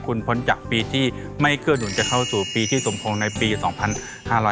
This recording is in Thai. คุณพ้นจากปีที่ไม่เกื้อหนุนจะเข้าสู่ปีที่สมพงษ์ในปี๒๕๕๙